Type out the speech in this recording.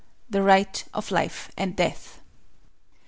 The Right of Life and Death.